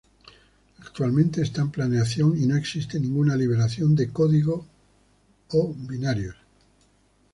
Actualmente está en planeación y no existe ninguna liberación de código o binarios.